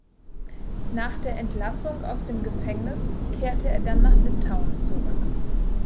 Nach der Entlassung aus dem Gefängnis kehrte er dann nach Litauen zurück.